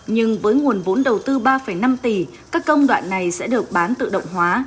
nhưng với nguồn vốn đầu tư ba năm tỷ các công đoạn này sẽ được bán tự động hóa